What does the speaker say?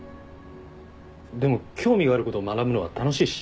でも興味があることを学ぶのは楽しいし。